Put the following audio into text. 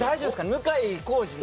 向井康二の。